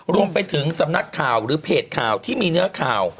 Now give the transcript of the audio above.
รวมไปถึงสำนักข่าวหรือเพจข่าวที่มีเนื้อข่าว